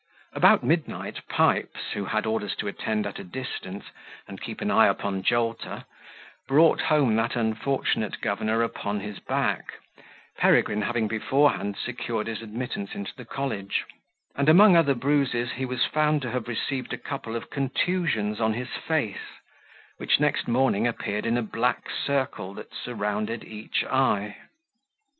About midnight, Pipes, who had orders to attend at a distance, and keep an eye upon Jolter, brought home that unfortunate governor upon his back, Peregrine having beforehand secured his admittance into the college; and among other bruises, he was found to have received a couple of contusions on his face, which next morning appeared in a black circle that surrounded each eye.